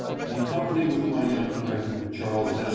In company with my young friend Charles S.